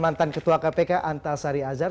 mantan ketua kpk antasari azhar